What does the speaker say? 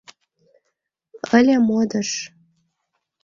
Ыле модыш.